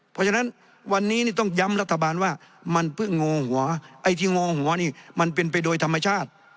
เพราะฉะนั้นวันนี้นี่ต้องย้ำรัฐบาลว่ามันเพิ่งงอหัวไอ้ที่งอหัวนี่มันเป็นไปโดยธรรมชาติ